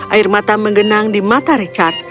air mata menggenang di mata richard